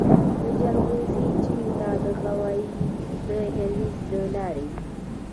جلغوزي چین ته د هوايي دهلیز له لارې ځي